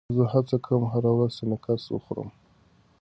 زه هڅه کوم هره ورځ سنکس وخورم.